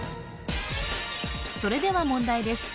それでは問題です